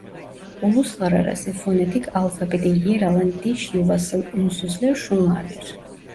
Uluslararası Fonetik Alfabe'de yer alan dişyuvasıl ünsüzler şunlardır: